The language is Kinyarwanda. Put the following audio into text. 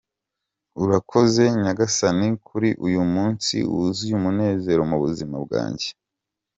"Urakoze Nyagasani kuri uyu munsi wuzuye umunezero mu buzima bwanjye !